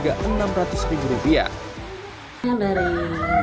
dari benang benang katung seperti itu sama benang klos